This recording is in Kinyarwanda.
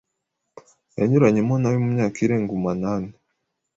Yanyuranye mo nawe mu myaka irenga umanani